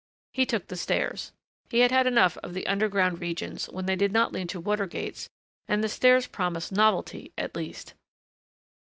He took the stairs. He had had enough of underground regions when they did not lead to water gates and the stairs promised novelty at least.